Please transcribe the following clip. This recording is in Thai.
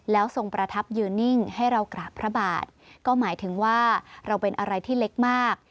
แล้วทรงประทับยืนนิ่งให้เรากราบพระบาทก็หมายถึงว่าเราเป็นอะไรที่เล็กมาก